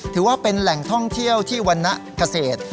ถือว่าเป็นแหล่งท่องเที่ยวที่วรรณเกษตร